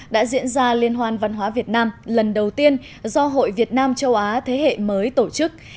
đã diễn ra liên hoan văn hóa việt nam lần đầu tiên do hội việt nam châu á thế hệ mới tổ chức